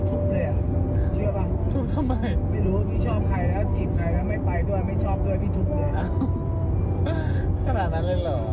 ถ้าพี่ไม่ไปกับพี่พี่ทุบเลยอ่ะ